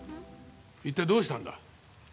一体どうしたんだ？